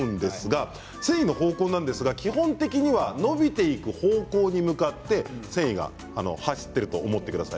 繊維の方向は基本的には伸びていく方向に向かって繊維が走っていると思ってください。